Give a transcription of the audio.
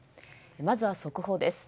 まずは速報です。